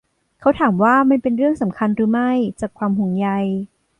เขาถามว่ามันเป็นเรื่องสำคัญหรือไม่จากความห่วงใย.